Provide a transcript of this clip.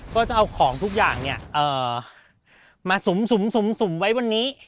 ก็จะเอาของทุกอย่างเนี่ยเอ่อมาสุ่มไว้วันนี้